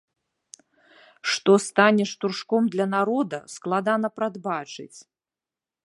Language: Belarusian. Што стане штуршком для народа, складана прадбачыць.